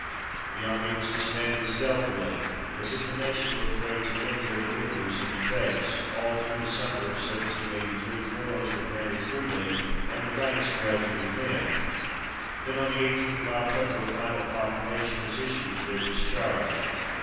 The army was disbanded stealthily, "as if the nation were afraid to look their deliverers in the face; all through the summer of 1783 furloughs were granted freely, and the ranks gradually thinned. Then on the 18th of October a final proclamation was issued for their discharge.